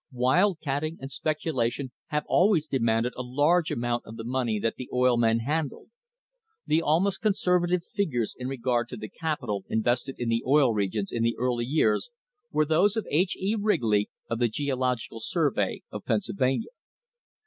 Wildcatting and speculation have always demanded a large amount of the money that the oil men handled. The almost conservative figures in regard to the capital invested in the Oil Regions in the early years were those of H. E. Wrigley, of the Geological Survey of Pennsylvania.